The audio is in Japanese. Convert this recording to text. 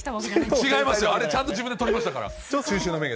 違いますよ、あれ、ちゃんと自分で撮りましたから、中秋の名月。